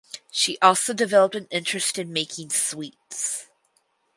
She also developed an interest in making sweets.